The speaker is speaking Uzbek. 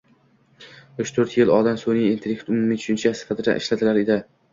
uch to'rt yil oldin sunʼiy intellekt umumiy tushuncha sifatida ishlatilinar edi.